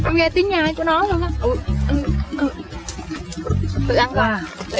em nghe tiếng nhai của nó luôn đó